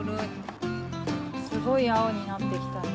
すごいあおになってきたね。